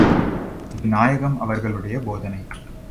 இது நாயகம் அவர்களுடைய போதனை.